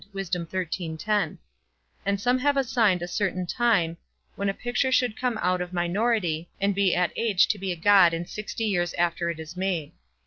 And some have assigned a certain time, when a picture should come out of minority, and be at age to be a god in sixty years after it is made.